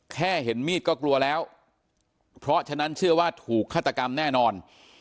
แค่เห็นมีดก็กลัวแล้วเพราะฉะนั้นเชื่อว่าถูกฆาตกรรมแน่นอน